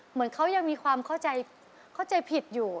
เหมือนเขายังมีความเข้าใจเข้าใจผิดอยู่